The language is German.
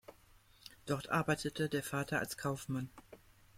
Dort arbeitete der Vater als Kaufmann.